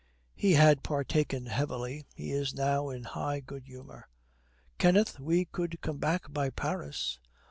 He has partaken heavily, he is now in high good humour. 'Kenneth, we could come back by Paris!'